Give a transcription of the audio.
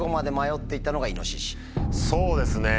そうですね。